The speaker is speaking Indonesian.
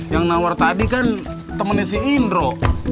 yang nawar tadi kan temennya si indro